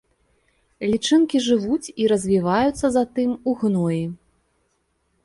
Лічынкі жывуць і развіваюцца затым у гноі.